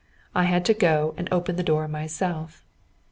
I had to go and open the door myself.